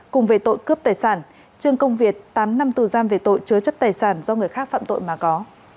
cùng về tội cướp tài sản trương công việt tám năm tù giam về tội chứa chấp tài sản do người khác phạm tội mà có